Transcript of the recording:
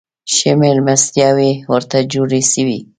ښې مېلمستیاوي ورته جوړي سوې.